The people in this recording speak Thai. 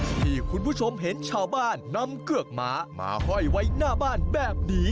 ที่คุณผู้ชมเห็นชาวบ้านนำเกือกหมามาห้อยไว้หน้าบ้านแบบนี้